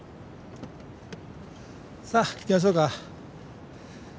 さあ行きましょうか。